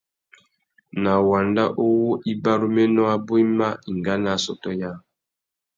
Na wanda uwú ibaruménô abú i mà enga nà assôtô yâā.